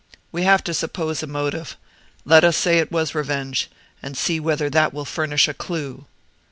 We have to suppose a motive; let us say it was revenge, and see whether that will furnish a clue."